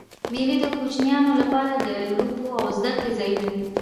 مېلې د کوچنيانو له پاره د لوبو او زدهکړي ځایونه دي.